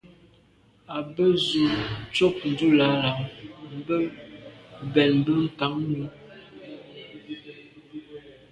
A be z’o tshob ndùlàlà mb’o bèn mbe nkagni.